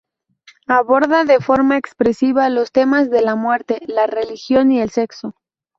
Aborda de forma expresiva los temas de la muerte, la religión y el sexo.